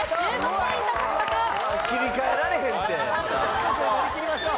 四国を乗りきりましょう。